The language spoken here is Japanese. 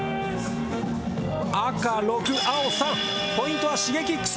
赤６青３ポイントはＳｈｉｇｅｋｉｘ。